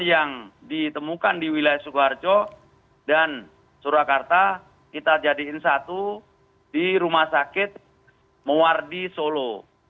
yang ditemukan di wilayah sukoharjo dan surakarta kita jadiin satu di rumah sakit muardi solo